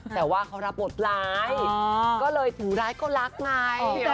แต่ว่าเขารับบทร้ายก็เลยถึงร้ายก็รักไง